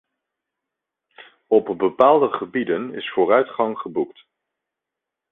Op bepaalde gebieden is vooruitgang geboekt.